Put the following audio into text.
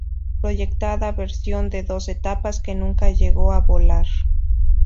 Proyectada versión de dos etapas, que nunca llegó a volar.